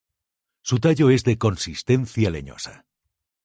Su tallo es de consistencia leñosa.